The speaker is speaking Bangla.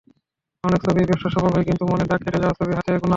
অনেক ছবিই ব্যবসাসফল হয়, কিন্তু মনে দাগ কেটে যাওয়া ছবি হাতে গোনা।